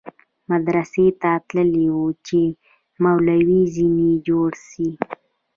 مدرسې ته تللى و چې مولوى ځنې جوړ سي.